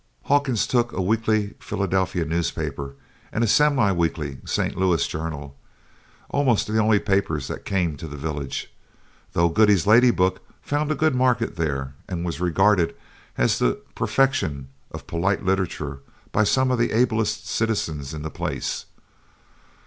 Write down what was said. Hawkins took a weekly Philadelphia newspaper and a semi weekly St. Louis journal almost the only papers that came to the village, though Godey's Lady's Book found a good market there and was regarded as the perfection of polite literature by some of the ablest critics in the place.